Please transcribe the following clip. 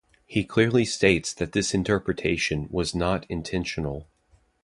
He clearly states that this interpretation was not intentional.